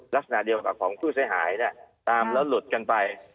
ลักษณะเดียวกับของผู้เสียหายเนี่ยตามแล้วหลุดกันไป